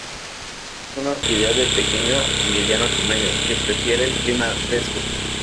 Es una orquídea de pequeño a mediano tamaño, que prefiere el clima fresco.